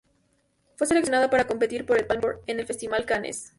Fue seleccionada para competir por el Palme d'Or en el Festival de Cannes.